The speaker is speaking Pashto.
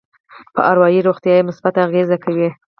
په اروایي روغتيا يې مثبت اغېز کوي.